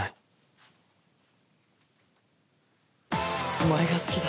お前が好きだ。